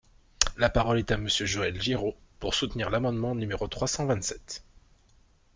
La parole est à Monsieur Joël Giraud, pour soutenir l’amendement numéro trois cent vingt-sept.